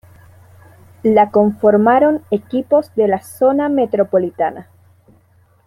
La conformaron equipos de la Zona Metropolitana.